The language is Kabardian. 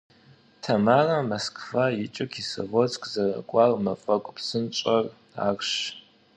Тамарэ Москва икӏыу Кисловодск зэрыкӏуар мафӏэгу псынщӏэр арщ.